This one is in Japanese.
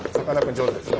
上手ですよ。